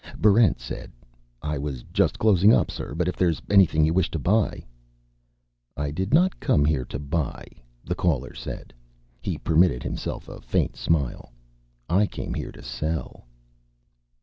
Barrent said, "I was just closing up, sir. But if there's anything you wish to buy " "I did not come here to buy," the caller said. He permitted himself a faint smile. "I came here to sell."